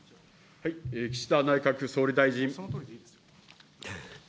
岸田内閣総理大臣。